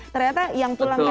ternyata yang pulang kampung